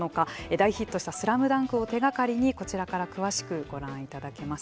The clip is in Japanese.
大ヒットしたスラムダンクを手がかりにこちらから詳しくご覧いただけます。